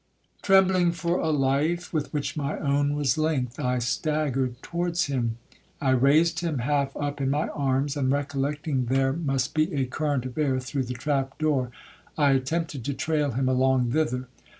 'Trembling for a life with which my own was linked, I staggered towards him. I raised him half up in my arms, and recollecting there must be a current of air through the trap door, I attempted to trail him along thither.